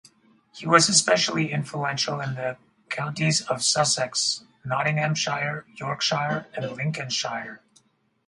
He was especially influential in the counties of Sussex, Nottinghamshire, Yorkshire and Lincolnshire.